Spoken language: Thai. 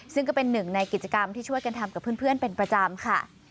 ซึ่งก็เป็นหนึ่งในกิจกรรมที่ช่วยกันทำกับเพื่อนเป็นประจำค่ะ